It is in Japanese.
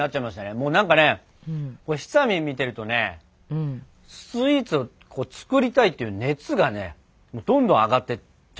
もうなんかねひさみん見てるとねスイーツを作りたいっていう熱がねどんどん上がってっちゃったね。